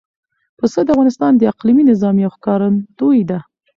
پسه د افغانستان د اقلیمي نظام یو ښکارندوی ده.